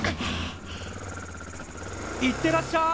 行ってらっしゃい！